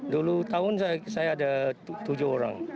dulu tahun saya ada tujuh orang